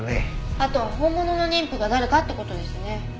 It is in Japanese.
あとは本物の妊婦が誰かって事ですね。